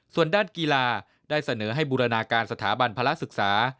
ส่วนด้านกีฬาได้เสนอให้บูรณาการสถาบันพระศึกษา